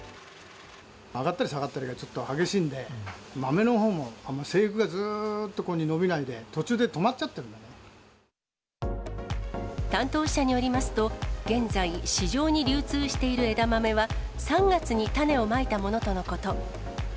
上がったり下がったりがちょっと激しいんで、豆のほうもあんま生育がずっと伸びないで、途中で止まっちゃって担当者によりますと、現在、市場に流通している枝豆は、３月に種をまいたものとのこと。